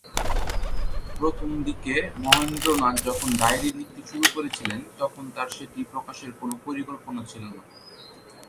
প্রথম দিকে মহেন্দ্রনাথ যখন ডায়েরি লিখতে শুরু করেছিলেন, তখন তার সেটি প্রকাশের কোনো পরিকল্পনা ছিল না।